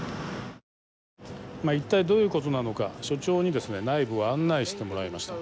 一体どういうことなのか所長にですね内部を案内してもらいました。